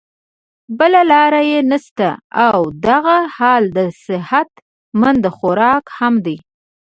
بله لار ئې نشته او دغه حال د صحت مند خوراک هم دے